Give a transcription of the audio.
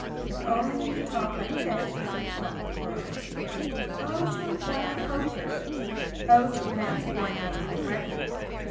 If only he could talk like this, he would have caught the world. Oh to acquire culture! Oh, to pronounce foreign names correctly!